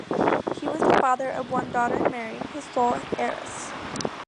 He was the father of one daughter, Mary, his sole heiress.